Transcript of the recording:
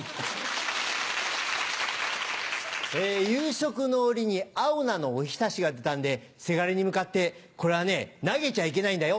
夕食の折に青菜のおひたしが出たんでせがれに向かって「これはね投げちゃいけないんだよ。